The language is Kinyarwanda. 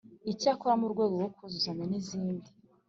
Icyakora mu rwego rwo kuzuzanya n izindi